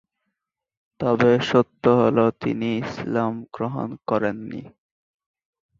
তবে সত্য হলো তিনি ইসলাম গ্রহণ করেননি।